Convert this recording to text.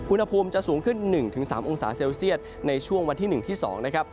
อุณหภูมิจะสูงขึ้น๑๓องศาเซลเซียตในช่วงวันที่๑ที่๒นะครับ